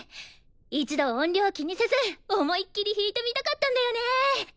一度音量気にせず思いっきり弾いてみたかったんだよね！